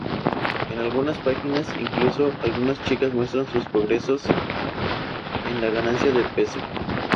En algunas páginas, incluso, algunas chicas muestran sus progresos en la ganancia de peso.